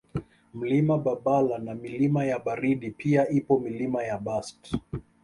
Mlima Babala na Milima ya Baridi pia ipo Milima ya Bast